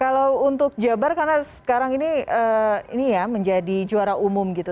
kalau untuk jabar karena sekarang ini ya menjadi juara umum gitu